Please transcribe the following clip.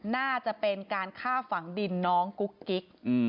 น่าจะเป็นการฆ่าฝังดินน้องกุ๊กกิ๊ก